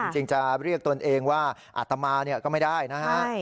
จริงจะเรียกตนเองว่าอาตมาก็ไม่ได้นะฮะ